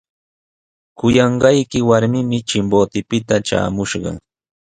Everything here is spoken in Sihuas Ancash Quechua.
Kuyanqayki warmimi Chimbotepita traamushqa.